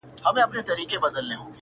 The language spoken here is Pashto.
د جینکیو ارمان څۀ ته وایي-